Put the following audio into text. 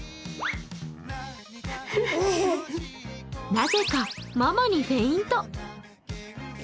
なぜか、ママにフェイント。